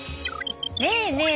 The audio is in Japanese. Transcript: ねえねえ